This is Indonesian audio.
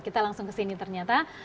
kita langsung ke sini ternyata